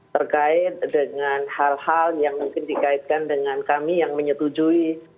terkait dengan hal hal yang mungkin dikaitkan dengan kami yang menyetujui